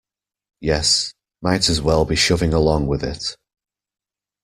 Yes, might as well be shoving along with it.